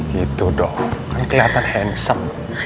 gitu dong kan kelihatan hansem